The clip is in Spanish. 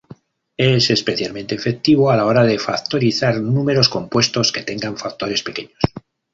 Es especialmente efectivo a la hora de factorizar números compuestos que tengan factores pequeños.